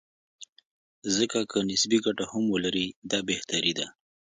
ځکه که نسبي ګټه هم ولري، دا بهتري ده.